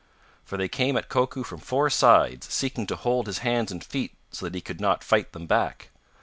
For they came at Koku from four sides, seeking to hold his hands and feet so that he could not fight them back.